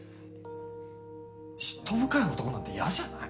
嫉妬深い男なんて嫌じゃない？